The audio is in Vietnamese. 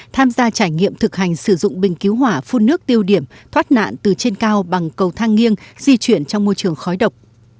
tham gia trải nghiệm thực hành sử dụng bình cứu hỏa phun nước tiêu điểm thoát nạn từ trên cao bằng cầu thang nghiêng di chuyển trong môi trường khói độc